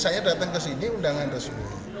saya datang kesini undangan resmi